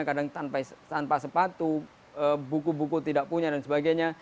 kadang tanpa sepatu buku buku tidak punya dan sebagainya